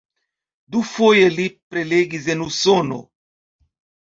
Dufoje li prelegis en Usono.